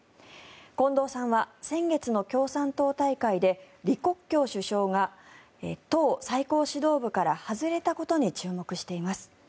近藤さんは先月の共産党大会で李克強首相が党最高指導部から外れたことに注目しています。